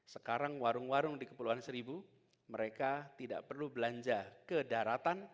sekarang warung warung di kepulauan seribu mereka tidak perlu belanja ke daratan